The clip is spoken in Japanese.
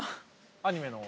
アニメの。